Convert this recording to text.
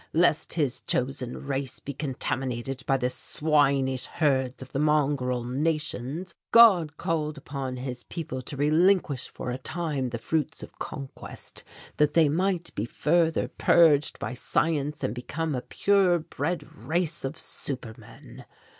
Lest His chosen race be contaminated by the swinish herds of the mongrel nations God called upon His people to relinquish for a time the fruits of conquest, that they might be further purged by science and become a pure bred race of super men.